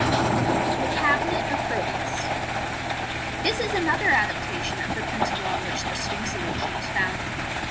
The Cabinet of Proteus. — This is another adaptation of the principle on which the Sphinx illusion is founded.